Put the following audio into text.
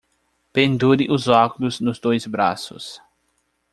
Pendure os óculos nos dois braços.